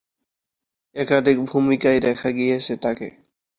একাধিক ভূমিকায় দেখা গিয়েছে তাঁকে।